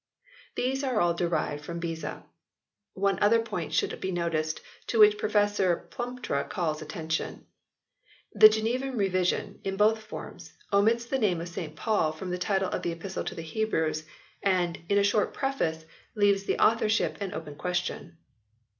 These are all derived from Beza. One other point should be noticed to which Professor Plumptre called attention the Genevan version (in both forms) "omits the name of St Paul from the title to the Epistle to the Hebrews, and, in a short preface, leaves the authorship an open question."